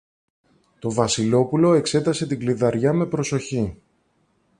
Το Βασιλόπουλο εξέτασε την κλειδαριά με προσοχή.